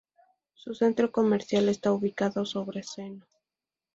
Su centro comercial está ubicado sobre Cno.